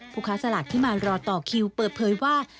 ค้าสลากที่มารอต่อคิวเปิดเผยว่า